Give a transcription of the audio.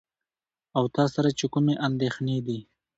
او تاسره چې کومې اندېښنې دي .